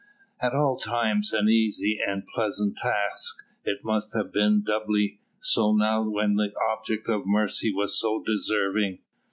At all times an easy and a pleasant task, it must have been doubly so now when the object of mercy was so deserving.